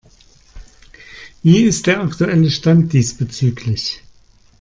Wie ist der aktuelle Stand diesbezüglich?